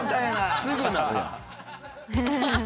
すぐなるやん。